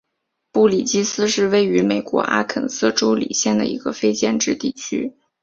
布里基斯是位于美国阿肯色州李县的一个非建制地区。